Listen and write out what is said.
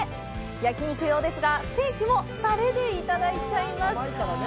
焼き肉用ですがステーキもタレでいただいちゃいます！